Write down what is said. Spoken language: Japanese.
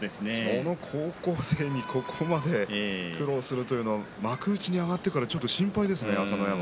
高校生にここまで苦労するというのは幕内に上がってから心配ですね朝乃山。